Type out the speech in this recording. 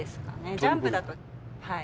ジャンプだとはい。